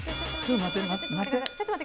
待って。